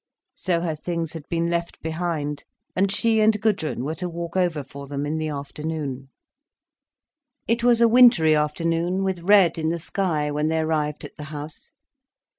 So her things had been left behind and she and Gudrun were to walk over for them, in the afternoon. It was a wintry afternoon, with red in the sky, when they arrived at the house.